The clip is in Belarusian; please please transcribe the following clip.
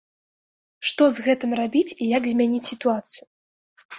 Што з гэтым рабіць і як змяніць сітуацыю?